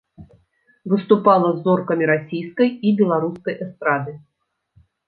Выступала з зоркамі расійскай і беларускай эстрады.